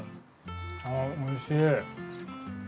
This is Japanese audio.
あおいしい。